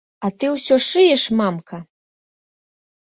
А ты ўсё шыеш, мамка?!